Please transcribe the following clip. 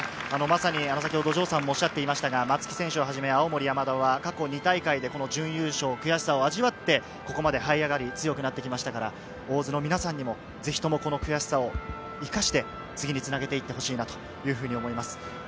先ほど城さんもおっしゃっていましたが、松木選手をはじめ、青森山田は過去２大会で準優勝、悔しさを味わって、ここまで這い上がり強くなってきましたから、大津の皆さんにもぜひとも悔しさを生かして、次につなげていってほしいなと思います。